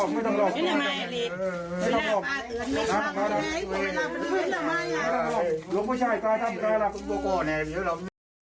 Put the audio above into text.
ไม่ต้องร้องไม่ต้องร้องไม่ต้องร้องไม่ต้องร้องไม่ต้องร้อง